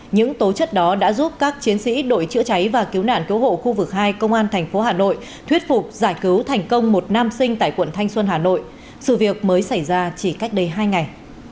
những tố chất đó đã giúp các chiến sĩ đội chữa cháy và cứu nạn cứu hộ khu vực hai công an tp hà nội thuyết phục giải cứu thành công một nam sinh tại quận thanh xuân hà nội sự việc mới xảy ra chỉ cách đây hai ngày